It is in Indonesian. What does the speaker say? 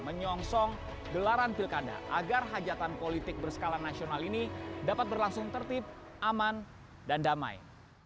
menyongsong gelaran pilkada agar hajatan politik berskala nasional ini dapat berlangsung tertib aman dan damai